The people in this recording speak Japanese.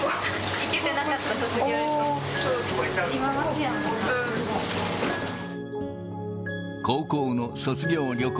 行けてなかった卒業旅行。